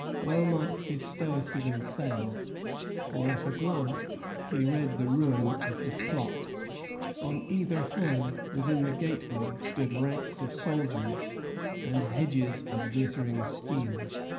Well might his stoicism fail, for at a glance he read the ruin of his plot. On either hand, within the gateway, stood ranks of soldiers and hedges of glittering steel.